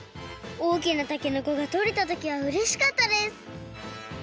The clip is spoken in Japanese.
大きなたけのこがとれたときはうれしかったです。